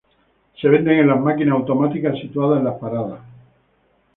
Se venden en las máquinas automáticas situadas en las paradas.